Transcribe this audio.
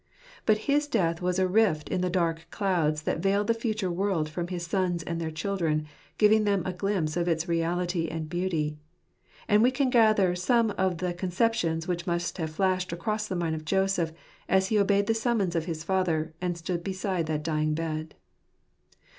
But his death was a rift in the dark clouds that veiled the future world from his sons and their children, giving them a glimpse of its reality and beauty. And we can gather some of the conceptions which must have flashed across the mind of Joseph, as he obeyed the summons of his father, and stood beside that dying bed.